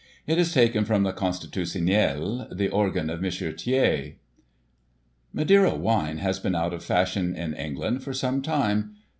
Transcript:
It is taken from the Const it utionely the organ of M. Thiers :" Madeira wine has been out of fashion, in England, for some time.